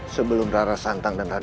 sebelum rara santang dan raka raka